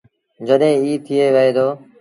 جڏهيݩٚ ايٚ ٿئي وهي تا